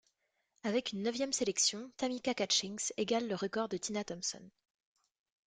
Avec une neuvième sélection, Tamika Catchings égale le record de Tina Thompson.